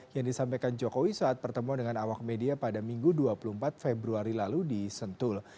yang disampaikan jokowi saat pertemuan dengan awak media pada minggu dua puluh empat februari lalu di sentul